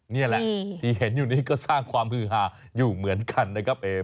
นี่แหละที่เห็นอยู่นี้ก็สร้างความฮือหาอยู่เหมือนกันนะครับ